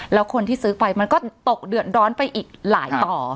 แล้วคนที่ซื้อไปมันก็ตกเดือดร้อนไปอีกหลายต่อ